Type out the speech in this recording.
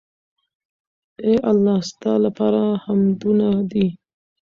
اې الله ! ستا لپاره حمدونه دي